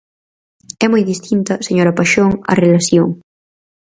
É moi distinta, señora Paxón, a relación.